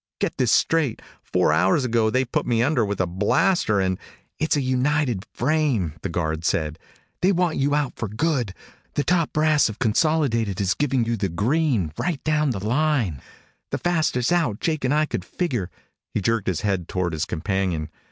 Get this straight! Four hours ago they put me under with a blaster and " "It's a United frame," the guard said. "They want you out for good. The top brass of Consolidated is giving you the green right down the line. The fastest out Jake and I could figure " He jerked his head toward his companion.